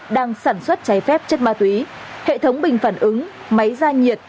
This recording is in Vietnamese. đang sản xuất chai phép chất ma túy hệ thống bình phản ứng máy gia nhiệt